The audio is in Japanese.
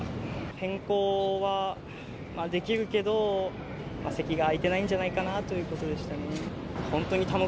変更はできるけど、席が空いてないんじゃないかなということでしたね。